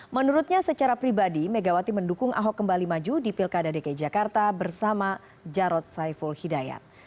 menurutnya secara pribadi megawati mendukung ahok kembali maju di pilkada dki jakarta bersama jarod saiful hidayat